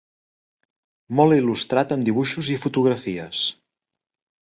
Molt il·lustrat amb dibuixos i fotografies.